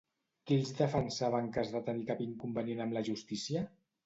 Qui els defensava en cas de tenir cap inconvenient amb la justícia?